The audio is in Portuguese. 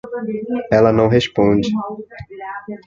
Ela não responde.